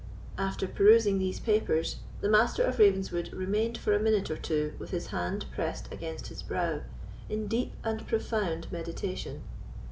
After perusing these papers, the Master of Ravenswood remained for a minute or two with his hand pressed against his brow, in deep and profound meditation.